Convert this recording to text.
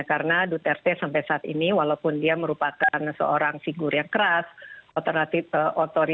karena duterte sampai saat ini walaupun dia merupakan seorang figur yang keras otoriter